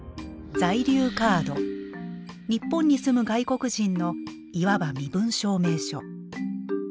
日本に住む外国人のいわば身分証明書。